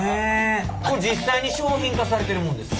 これ実際に商品化されてるもんですか？